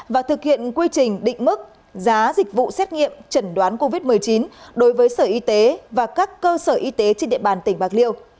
và thực hiện quy trình định mức giá dịch vụ xét nghiệm chẩn đoán covid một mươi chín đối với sở y tế và các cơ sở y tế trên địa bàn tỉnh bạc liêu